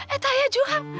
eta ayah jurang